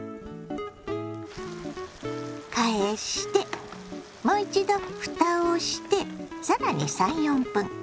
返してもう一度ふたをして更に３４分。